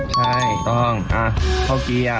ใช่ต้องเข้าเกียร์